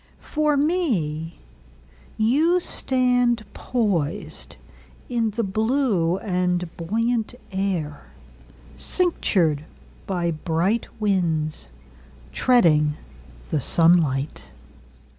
For me, You stand poisedIn the blue and buoyant air, Cinctured by bright winds, Treading the sunlight.